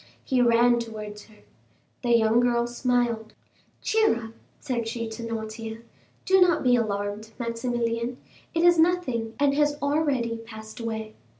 He ran towards her. The young girl smiled. "Cheer up," said she to Noirtier. "Do not be alarmed, Maximilian; it is nothing, and has already passed away.